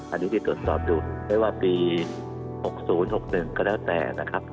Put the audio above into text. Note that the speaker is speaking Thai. อันนี้ที่ตรวจสอบดูไม่ว่าปี๖๐๖๑ก็แล้วแต่นะครับ